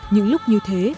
những lúc như thế